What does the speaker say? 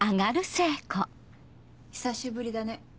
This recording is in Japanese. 久しぶりだね。